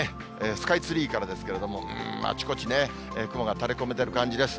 スカイツリーからですけれども、うーん、あちこちね、雲が垂れこめてる感じです。